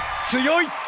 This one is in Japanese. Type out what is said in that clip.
強い！